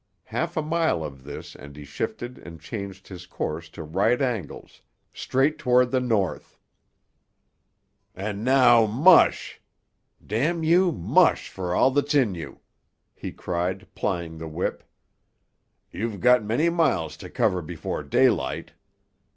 Half a mile of this and he shifted and changed his course to right angles, straight toward the north. "And now, mush! —— you! Mush for all that's in you!" he cried, plying the whip. "You've got many miles to cover before daylight.